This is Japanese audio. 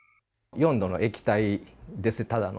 ４度の液体です、ただの。